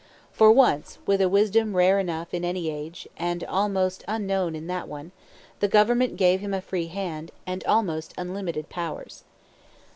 For once, with a wisdom rare enough in any age and almost unknown in that one, the government gave him a free hand and almost unlimited powers.